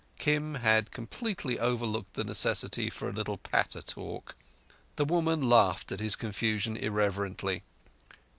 Kim had completely overlooked the necessity for a little patter talk. The woman laughed at his confusion irreverently.